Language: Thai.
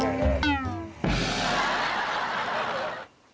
สุดยอดลูกมือเข้ากันไง